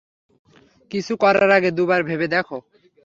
কিছু করার আগে দুবার ভেবে দেখ!